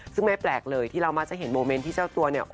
ซึ่งไม่แปลกเลยที่เรามักจะเห็นโมเมนต์ที่เจ้าตัวเนี่ย